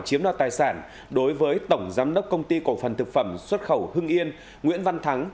chiếm đoạt tài sản đối với tổng giám đốc công ty cổ phần thực phẩm xuất khẩu hưng yên nguyễn văn thắng